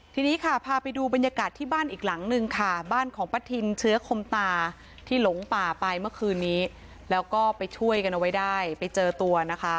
ทีนี้ค่ะพาไปดูบรรยากาศที่บ้านอีกหลังนึงค่ะบ้านของป้าทินเชื้อคมตาที่หลงป่าไปเมื่อคืนนี้แล้วก็ไปช่วยกันเอาไว้ได้ไปเจอตัวนะคะ